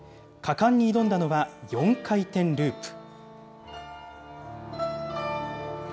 果敢に挑んだのは４回転ループ。